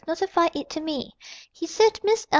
notified it to me.... He said Miss L.